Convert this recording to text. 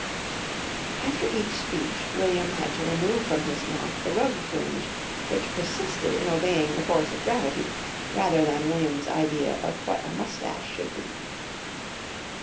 After each speech William had to remove from his mouth the rug fringe which persisted in obeying the force of gravity rather than William's idea of what a moustache should be.